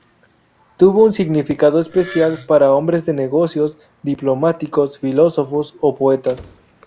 Tuvo un significado especial para hombres de negocios, diplomáticos, filósofos o poetas.